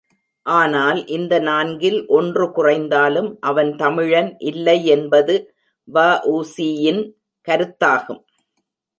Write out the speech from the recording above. ஆனால், இந்த நான்கில் ஒன்று குறைந்தாலும் அவன் தமிழன் இல்லை என்பது வ.உ.சி.யின் கருத்தாகும்.